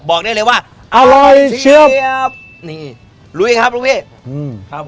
บอกได้เลยว่าอร่อยเชียบนี่ลุยครับลุงพี่อืมครับ